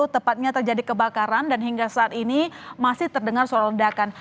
delapan belas tiga puluh tepatnya terjadi kebakaran dan hingga saat ini masih terdengar suara ledakan